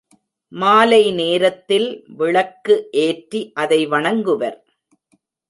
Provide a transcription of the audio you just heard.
மாலை நேரத்தில் விளக்கு ஏற்றி அதை வணங்குவர்.